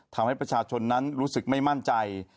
ทำให้ประชาชนนั้นรู้สึกไม่มั่นใจ